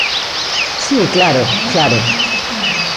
Si claro, claro.